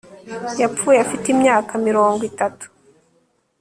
Yapfuye afite imyaka mirongo itatu